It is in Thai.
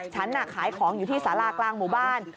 ฉันขายของอยู่ที่สารากลางหมู่บ้าน